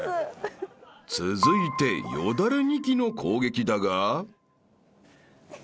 ［続いてよだれニキの攻撃だが］